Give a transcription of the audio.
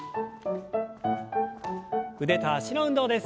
腕と脚の運動です。